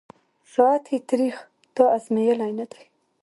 ساعت یې تریخ » تا آزمېیلی نه دی